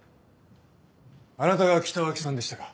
あなたが北脇さんでしたか。